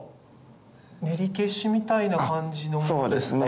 練り消しみたいな感じのものですか？